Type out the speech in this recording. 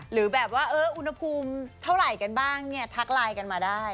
หรือแบบว่าอุณหภูมิเท่าไหร่กันบ้างเนี่ยทักไลน์กันมาได้